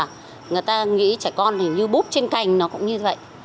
và người ta nghĩ trẻ con hình như búp trên cành nó cũng như vậy